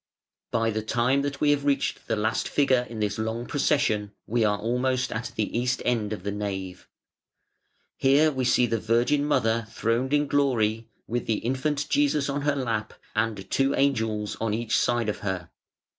By the time that we have reached the last figure in this long procession we are almost at the east end of the nave. Here we see the Virgin mother throned in glory with the infant Jesus on her lap, and two angels on each side of her.